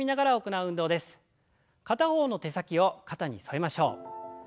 片方の手先を肩に添えましょう。